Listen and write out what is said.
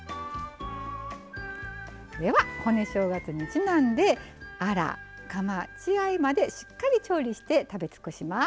では骨正月にちなんでアラカマ血合いまでしっかり調理して食べ尽くします。